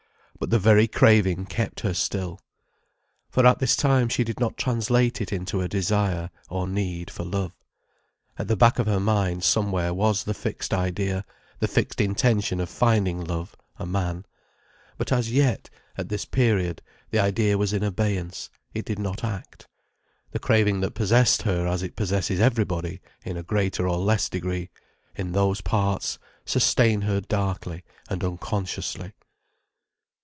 But the very craving kept her still. For at this time she did not translate it into a desire, or need, for love. At the back of her mind somewhere was the fixed idea, the fixed intention of finding love, a man. But as yet, at this period, the idea was in abeyance, it did not act. The craving that possessed her as it possesses everybody, in a greater or less degree, in those parts, sustained her darkly and unconsciously.